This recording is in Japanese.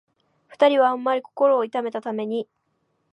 二人はあんまり心を痛めたために、